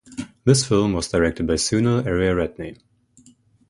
This film was directed by Sunil Ariyaratne.